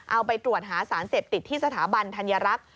เอาไปตรวจหาสารเสพติดที่สถาบันธัญรักษ์